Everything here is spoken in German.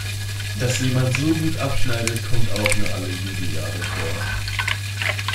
Dass jemand so gut abschneidet, kommt auch nur alle Jubeljahre vor.